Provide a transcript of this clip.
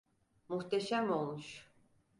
Muhteşem olmuş.